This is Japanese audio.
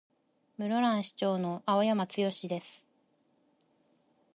室蘭市長の青山剛です。